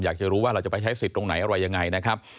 อยากจะรู้ว่าเราจะไปใช้สิทธิ์ตรงไหนอะไรยังไงนะครับ